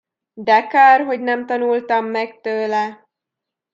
De kár, hogy nem tanultam meg tőle!